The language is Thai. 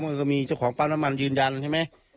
มันก็มีเจ้าของปั๊มน้ำมันยืนยันใช่ไหม